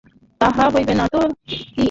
তাহা হইবে না তো কী।